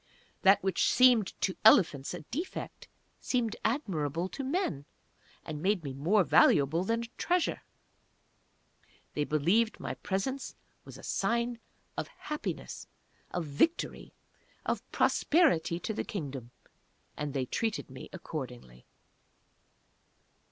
That which seemed to elephants a defect, seemed admirable to men, and made me more valuable than a treasure. They believed my presence was a sign of Happiness of Victory of Prosperity to the Kingdom and they treated me accordingly.